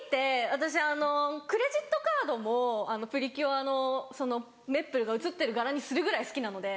私クレジットカードも『プリキュア』のメップルが写ってる柄にするぐらい好きなので。